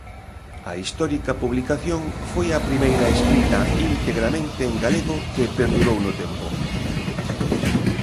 A histórica publicación foi a primeira escrita integramente en galego que perdurou no tempo.